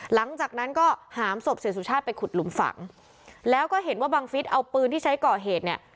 หลังจากนั้นก็หามศพเสียสุชาติไปขุดหลุมฝังแล้วก็เห็นว่าบังฟิศเอาปืนที่ใช้ก่อเหตุเนี่ย